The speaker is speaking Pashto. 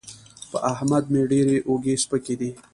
په احمد مې ډېرې اوږې سپکې دي.